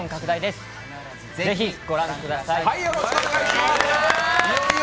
ぜひ、ご覧ください。